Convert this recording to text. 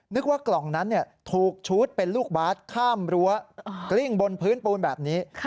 นึกว่ากล่องนั้นถูกชูดเป็นลูกบาทข้ามรั้วกลิ้งบนพื้นปูนแบบนี้